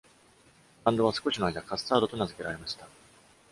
バンドは、少しの間、カスタードと名付けられました。